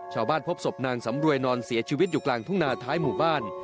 พบศพนางสำรวยนอนเสียชีวิตอยู่กลางทุ่งนาท้ายหมู่บ้าน